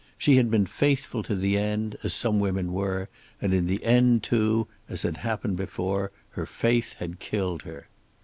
She had been faithful to the end, as some women were, and in the end, too, as had happened before, her faith had killed her.